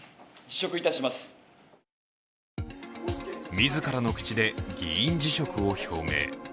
自らの口で議員辞職を表明。